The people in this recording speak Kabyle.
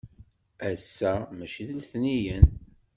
Ass-a maci d letniyen.